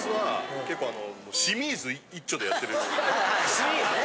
シュミーズね。